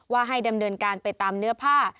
ให้ดำเนินการไปตามเนื้อผ้า